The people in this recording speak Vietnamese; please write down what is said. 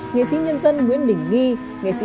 nghệ sĩ nhân dân nguyễn đình nghi